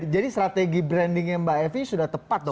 jadi strategi brandingnya mba evi sudah tepat dong